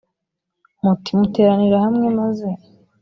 muti muteranire hamwe maze